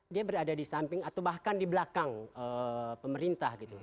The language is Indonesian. dia berada di samping atau bahkan di belakang pemerintah gitu